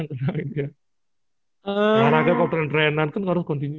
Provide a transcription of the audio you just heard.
karena kalau tren trenan kan harus kontinu ya